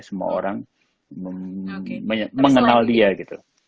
semua orang mengenal dia gitu